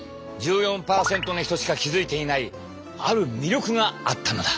１４％の人しか気付いていないある魅力があったのだ。